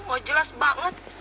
oh jelas banget